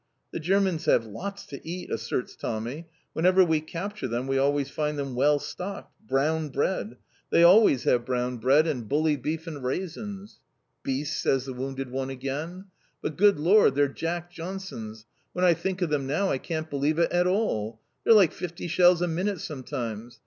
"The Germans have lots to eat," asserts Tommy. "Whenever we capture them we always find them well stocked. Brown bread. They always have brown bread, and bully beef, and raisins." "Beasts!" says the wounded one again. "But good lor, their Jack Johnsons! When I think of them now I can't believe it at all. They're like fifty shells a minute sometimes.